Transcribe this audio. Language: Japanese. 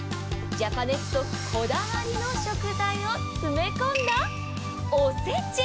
ジャパネットこだわりの食材を詰め込んだおせち。